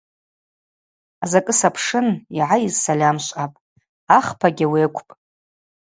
Азакӏы сапшын – йгӏайыз сальамшвъапӏ, ахпагьи ауи акӏвпӏ.